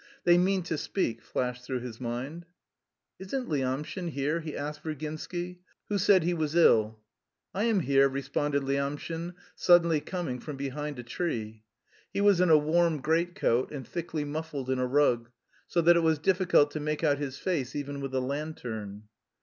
"They mean to speak," flashed through his mind. "Isn't Lyamshin here?" he asked Virginsky. "Who said he was ill?" "I am here," responded Lyamshin, suddenly coming from behind a tree. He was in a warm greatcoat and thickly muffled in a rug, so that it was difficult to make out his face even with a lantern.